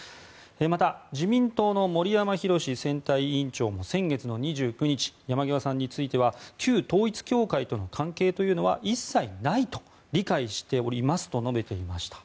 また、自民党の森山裕選対委員長も先月２９日、山際さんについては旧統一教会との関係というのは一切ないと理解しておりますと述べていました。